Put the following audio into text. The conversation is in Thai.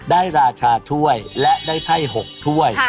ราชาถ้วยและได้ไพ่๖ถ้วย